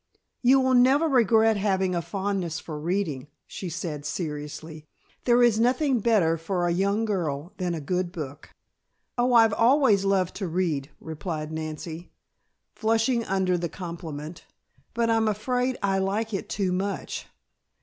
"You will never regret having a fondness for reading," she said seriously. "There is nothing better for a young girl than a good book." "Oh, I've always loved to read," replied Nancy, flushing under the compliment, "but I'm afraid I like it too much.